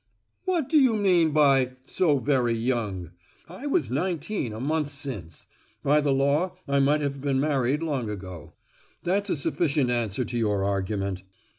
"What do you mean by 'so very young'? I was nineteen a month since; by the law I might have been married long ago. That's a sufficient answer to your argument."